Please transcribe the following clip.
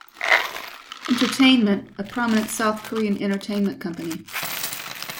Entertainment, a prominent South Korean entertainment company.